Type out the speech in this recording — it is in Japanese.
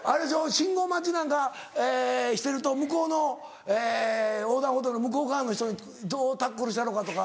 信号待ちなんかしてると横断歩道の向こう側の人に「どうタックルしたろうか」とか。